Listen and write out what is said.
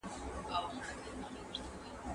که زيار ونه ايستل سي، اقتصاد نه سي پياوړی کېدای.